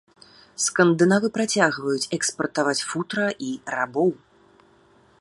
Скандынавы працягвалі экспартаваць футра і рабоў.